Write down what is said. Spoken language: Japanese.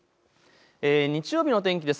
日曜日の天気です。